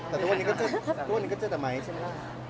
แต่ทุกวันนี้ก็เจอแต่ไม้ใช่ไหม